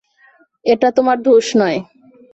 এটা তোমার দোষ নয়।